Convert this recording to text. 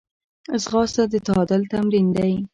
ځغاسته د تعادل تمرین دی